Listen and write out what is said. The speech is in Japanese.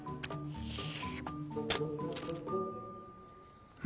よし！